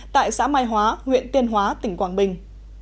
tại xã mai hóa huyện tiên hóa tỉnh quảng bình